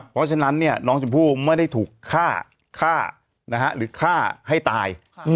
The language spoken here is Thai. เพราะฉะนั้นน้องชมพู่ไม่ได้ถูกฆ่าฆ่าหรือฆ่าให้ตาย